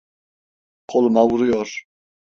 Koluma vuruyor: